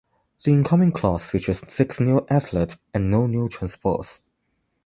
The incoming class features six new athletes and no new transfers.